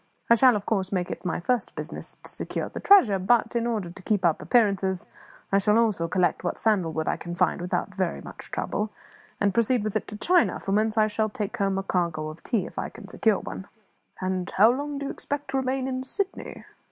I shall of course make it my first business to secure the treasure; but, in order to keep up appearances, I shall also collect what sandal wood I can find without very much trouble, and proceed with it to China, from whence I shall take home a cargo of tea, if I can secure one." "And how long do you expect to remain in Sydney?"